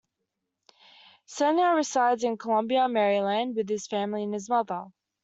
Chenier resides in Columbia, Maryland, with his family and his mother.